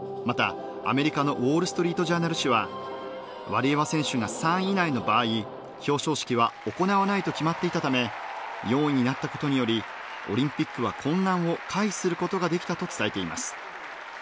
また、アメリカのウォール・ストリート・ジャーナル紙はワリエワ選手が３位以内の場合表彰式は行わないと決まっていたため４位になったことによりオリンピックは混乱を回避することができたと伝えています。